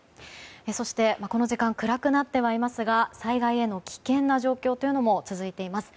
そして、この時間暗くなってはいますが災害への危険な状況も続いています。